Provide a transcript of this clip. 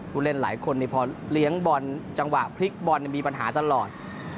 ผู้เล่นหลายคนพอเลี้ยงบอลจังหวะพลิกบอลมีปัญหาตลอด